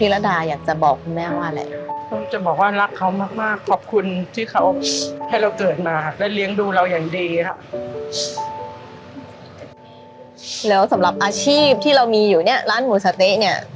แล้วสำหรับอาชีพที่เรามีอยู่เนี่ยร้านหมูสะเต๊ะเนี่ย